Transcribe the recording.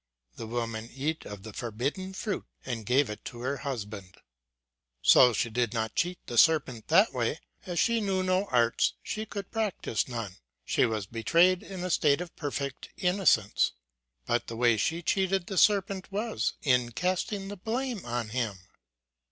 The woman eat of the forbidden fruit, and gave it to her husband :^ so she did not cheat the serpent that way ; as she knew no arts, she could practise none ; she was be trayed in a state of perfect innocence ; but the way she cheated the serpent was, in casting the blame on him.